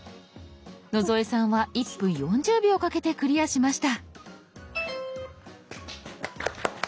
野添さんは１分４０秒かけてクリアしました。